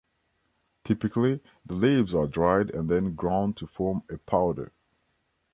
Typically the leaves are dried and then ground to form a powder.